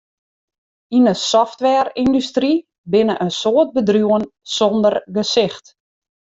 Yn 'e softwareyndustry binne in soad bedriuwen sonder gesicht.